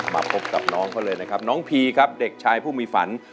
มาพบกับน้องเขาเลยนะครับน้องพีครับเด็กชายผู้มีฝัน